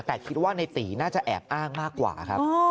แต่คิดว่าในตีน่าจะแอบอ้างมากกว่าครับ